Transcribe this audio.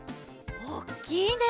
おっきいね！